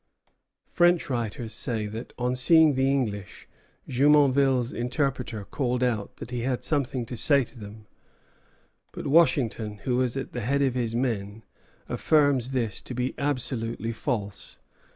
French writers say that, on first seeing the English, Jumonville's interpreter called out that he had something to say to them; but Washington, who was at the head of his men, affirms this to be absolutely false.